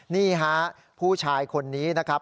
นี่ฮะผู้ชายคนนี้นะครับ